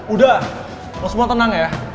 udah semua tenang ya